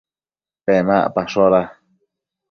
Pemacpashoda